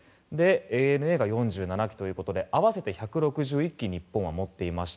ＡＮＡが４７機ということで合わせて１６１機日本は持っていました。